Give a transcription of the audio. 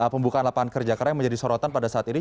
pembukaan lapangan kerja karena yang menjadi sorotan pada saat ini